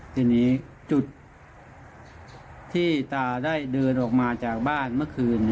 ทีนี้จุดที่ตาได้เดินออกมาจากบ้านเมื่อคืน